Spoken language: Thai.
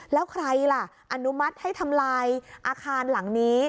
แล้วใครล่ะอนุมัติให้ทำลายอาคารหลังนี้